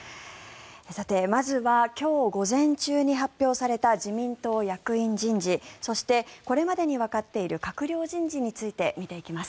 まずは今日午前中に発表された自民党役員人事そして、これまでにわかっている閣僚人事について見ていきます。